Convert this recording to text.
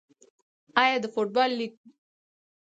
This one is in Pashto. آیا د فوټبال لیګونه عاید لري؟